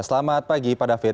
selamat pagi pak david